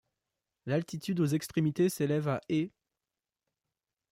L'altitude aux extrémités s'élève à et '.